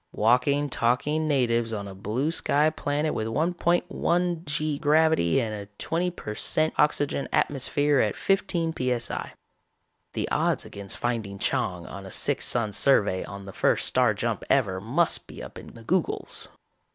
Walking, talking natives on a blue sky planet with 1.1 g gravity and a twenty per cent oxygen atmosphere at fifteen p.s.i. The odds against finding Chang on a six sun survey on the first star jump ever must be up in the googols.